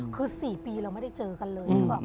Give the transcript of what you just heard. คือ๔ปีเราไม่ได้เจอกันเลย